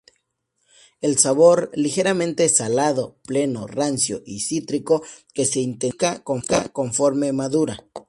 El sabor, ligeramente salado, pleno, rancio y cítrico, que se intensifica conforme madura.